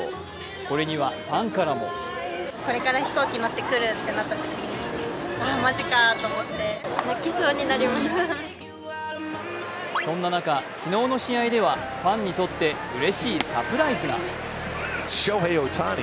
これにはファンからもそんな中、昨日の試合ではファンにとってうれしいサプライズが。